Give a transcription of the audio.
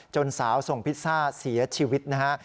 จนสาวส่งพิซซ่าเสียชีวิตนะครับ